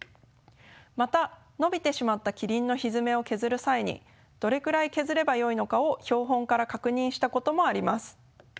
また伸びてしまったキリンのひづめを削る際にどれくらい削ればよいのかを標本から確認したこともあります。